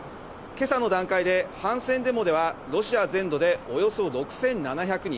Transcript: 今朝の段階で、反戦デモではロシア全土でおよそ６７００人